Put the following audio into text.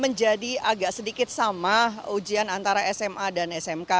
menjadi agak sedikit sama ujian antara sma dan smk